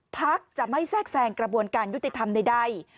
พักจะไม่แทรกแทรงกระบวนการยุติธรรมใด